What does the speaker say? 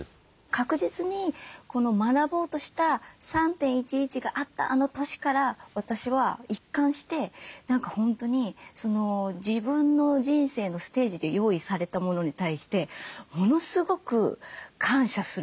確実に学ぼうとした３．１１があったあの年から私は一貫して何か本当に自分の人生のステージで用意されたものに対してものすごく感謝するようになったんですよ。